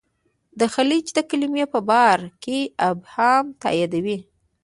د خلج د کلمې په باره کې ابهام تاییدوي.